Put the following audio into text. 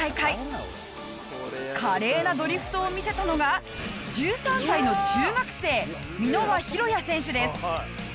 華麗なドリフトを見せたのが１３歳の中学生箕輪大也選手です。